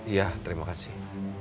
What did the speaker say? iya terima kasih